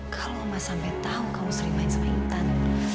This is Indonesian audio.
kalau oma sampai tahu kamu sering main sama intan